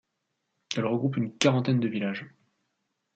Elle regroupe une quarantaine de villages.